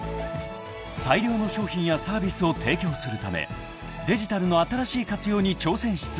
［最良の商品やサービスを提供するためデジタルの新しい活用に挑戦し続ける］